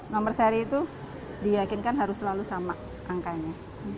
nomor seri itu diyakinkan harus selalu sama angkanya